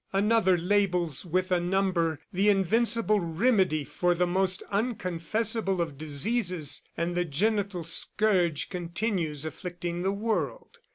Another labels with a number the invincible remedy for the most unconfessable of diseases, and the genital scourge continues afflicting the world.